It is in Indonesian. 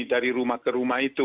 dari rumah ke rumah itu